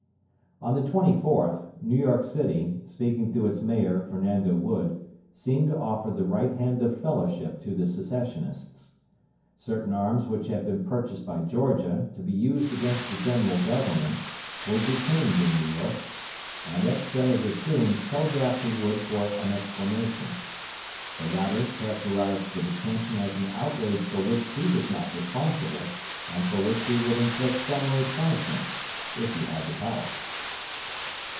On the 24th, New York City, speaking through its mayor, Fernando Wood, seemed to offer the right hand of fellowship to the Secessionists. Certain arms which had been purchased by Georgia, to be used against the General Government, were detained in New York, and Ex Senator Toombs telegraphed to Wood for an explanation. The latter characterized the detention as an outrage for which he was not responsible, and for which he would inflict summary punishment, if he had the power.